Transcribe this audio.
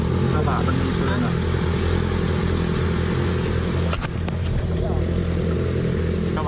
ก็ออกสำหรับ